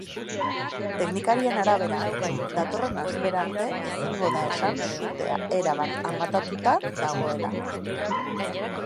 Teknikarien arabera, datorren astera arte ezingo da esan sutea erabat amatatuta dagoela.